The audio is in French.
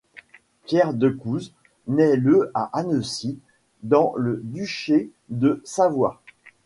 Pierre Decouz naît le à Annecy, dans le duché de Savoie.